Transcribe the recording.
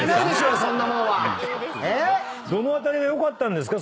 どの辺りが良かったんですか？